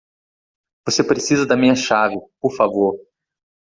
Você precisa da minha chave, por favor.